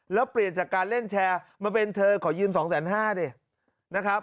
แล้วเปลี่ยนจากการเล่นแชร์มาเป็นเธอขอยืม๒๕๐๐ดินะครับ